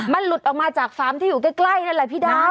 มันหลุดออกมาจากฟาร์มที่อยู่ใกล้นั่นแหละพี่ดาว